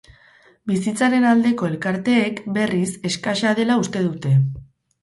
Bizitzaren aldeko elkarteek, berriz, eskasa dela uste dute.